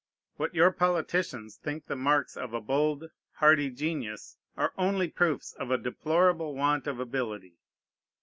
What your politicians think the marks of a bold, hardy genius are only proofs of a deplorable want of ability.